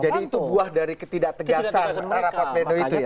jadi itu buah dari ketidak tegasan rapat pleno itu ya